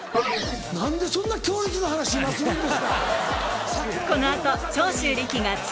何でそんな強烈な話今するんですか！